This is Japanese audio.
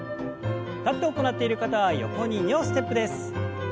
立って行っている方は横に２歩ステップです。